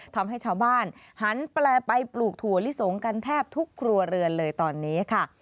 ทำให้ชาวบ้านหันแปลไปปลูกถั่วลิสงกันแทบทุกครัวเรือนเลยตอนนี้ค่ะ